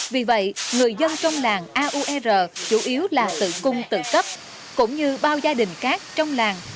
vì vậy người dân trong làng auerr chủ yếu là tự cung tự cấp cũng như bao gia đình khác trong làng